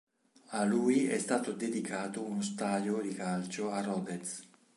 A lui è stato dedicato uno stadio di calcio a Rodez.